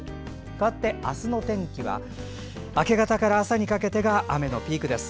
かわって、あすの天気は明け方から朝にかけてが雨のピークです。